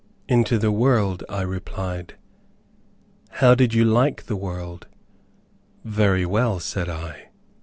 "Into the world," I replied. "How did you like the world?" "Very well," said I.